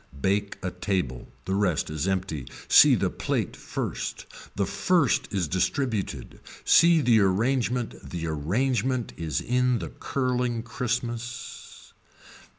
Bake a table, the rest is empty, see the plate first, the first is distributed, see the arrangement the arrangement is in the curling Christmas.